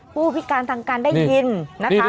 ผู้พิการทางการได้ยินนะคะ